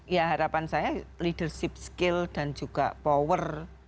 ya harapan saya leadership skill dan juga power